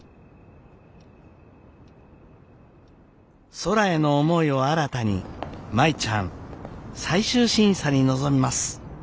空への思いを新たに舞ちゃん最終審査に臨みます。